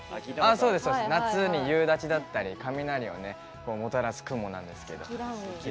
夏に夕立だったり雷をもたらす雲なんですけど。